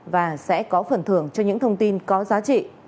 và sẽ có phần thưởng cho những thông tin có giá trị